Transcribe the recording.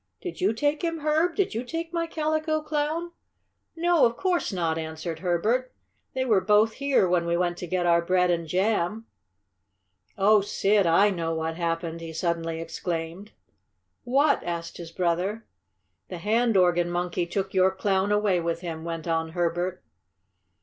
"Did you take him, Herb? Did you take my Calico Clown?" "No, of course not," answered Herbert. "They were both here when we went to get our bread and jam. Oh, Sid! I know what happened!" he suddenly exclaimed. "What?" asked his brother. "The hand organ monkey took your Clown away with him!" went on Herbert.